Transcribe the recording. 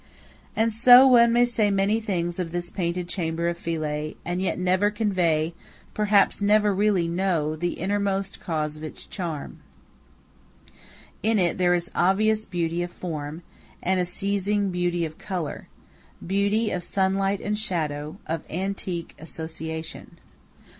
And so one may say many things of this painted chamber of Philae, and yet never convey, perhaps never really know, the innermost cause of its charm. In it there is obvious beauty of form, and a seizing beauty of color, beauty of sunlight and shadow, of antique association.